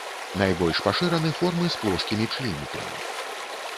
Найбольш пашыраны формы з плоскімі членікамі.